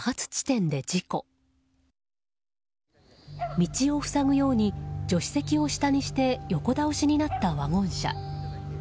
道を塞ぐように助手席を下にして横倒しになったワゴン車。